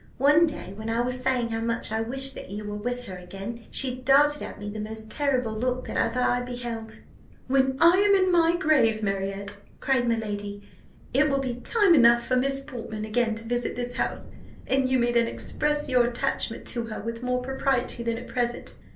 One day, when I was saying how much I wished that you were with her again, she darted at me the most terrible look that ever I beheld. "'When I am in my grave, Marriott,' cried my lady, 'it will be time enough for Miss Portman again to visit this house, and you may then express your attachment to her with more propriety than at present.